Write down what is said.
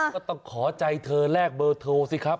ก็ต้องขอใจเธอแลกเบอร์โทรสิครับ